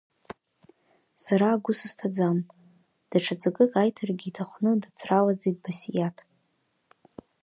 Сара агәы сызҭаӡам, даҽа ҵакык аиҭаргьы иҭахны дацралаӡеит Басиаҭ.